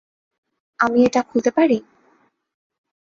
আমি এটা খুলতে পারি?